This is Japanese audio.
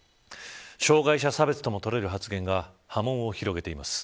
障害者差別ともとれる発言が波紋を広げています。